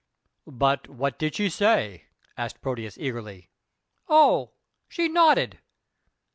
"But what did she say?" asked Proteus eagerly. "Oh she nodded!"